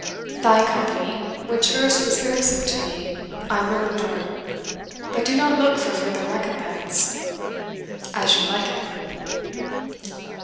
Thy company, which erst was irksome to me, I will endure But do not look for further recompense. As You Like It.